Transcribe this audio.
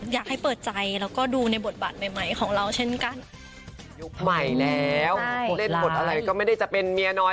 อยากให้เปิดใจแล้วก็ดูในบทบาทใหม่ของเราเช่นกัน